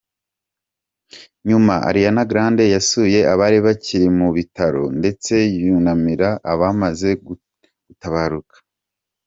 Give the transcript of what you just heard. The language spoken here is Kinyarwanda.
Nyuma Ariana Grande yasuye abari bakiri mu bitaro ndetse yunamira abamaze gutabaruka.